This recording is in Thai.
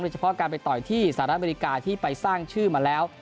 เฉพาะการไปต่อยที่สหรัฐอเมริกาที่ไปสร้างชื่อมาแล้ว